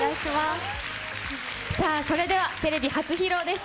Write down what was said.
それではテレビ初披露です。